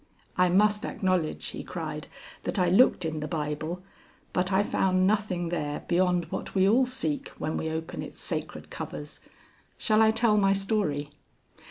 "I must acknowledge," he cried, "that I looked in the Bible, but I found nothing there beyond what we all seek when we open its sacred covers. Shall I tell my story?"